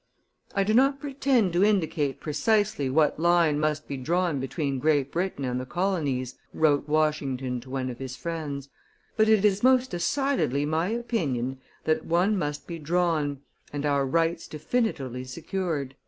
"I do not pretend to indicate precisely what line must be drawn between Great Britain and the colonies," wrote Washington to one of his friends, "but it is most decidedly my opinion that one must be drawn, and our rights definitively secured."